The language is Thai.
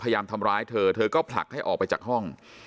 ทำร้ายเธอเธอก็ผลักให้ออกไปจากห้อง